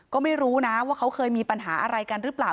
ก็ไม่รู้นะว่าเขาเคยมีปัญหาอะไรกันหรือเปล่า